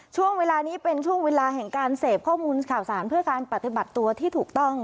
ช่วงเวลานี้เป็นช่วงเวลาแห่งการเสพข้อมูลข่าวสารเพื่อการปฏิบัติตัวที่ถูกต้อง